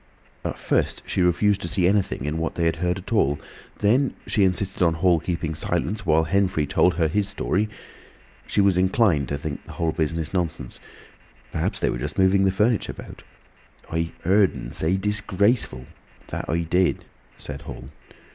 At first she refused to see anything in what they had heard at all. Then she insisted on Hall keeping silence, while Henfrey told her his story. She was inclined to think the whole business nonsense—perhaps they were just moving the furniture about. "I heerd'n say 'disgraceful'; that I did," said Hall.